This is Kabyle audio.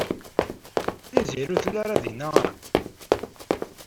Tiziri ur telli ara din.